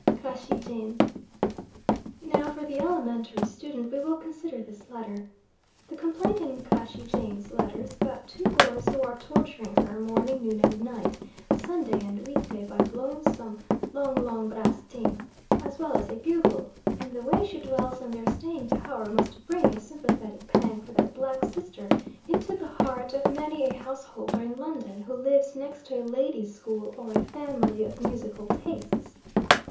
Crashey Jane." Now for the elementary student we will consider this letter. The complaint in Crashey Jane's letter is about two boys who are torturing her morning, noon, and night, Sunday and weekday, by blowing some "long long brass ting" as well as a bugle, and the way she dwells on their staying power must bring a sympathetic pang for that black sister into the heart of many a householder in London who lives next to a ladies' school, or a family of musical tastes.